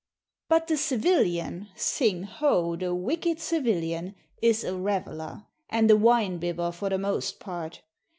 But the civilian sing ho! the wicked civilian is a reveller, and a winebibber, for the most part.